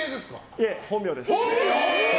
いえ、本名です。